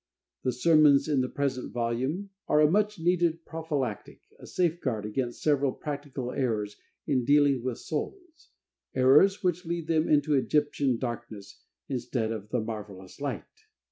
The sermons in the present volume are a much needed prophylactic, a safeguard against several practical errors in dealing with souls; errors which lead them into Egyptian darkness, instead of the marvelous light.